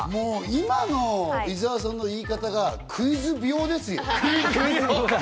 今の伊沢さんの言い方がクイズ病ですよ。